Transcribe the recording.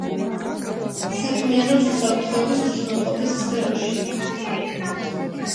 საქმიანობს უსაფრთხოების უზრუნველყოფის სფეროში.